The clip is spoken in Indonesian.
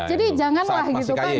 jadi janganlah gitu pak